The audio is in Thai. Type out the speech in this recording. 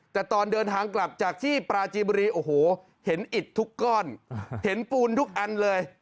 แต่ตอนเดินทางกลับจากที่ปราจีบุรีโอ้โหเห็นอิดทุกก้อนเห็นปูนทุกอันเลย